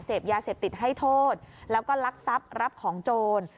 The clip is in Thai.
เสพยาเสพติดให้โทษแล้วก็ลักทรัพย์รับของโจร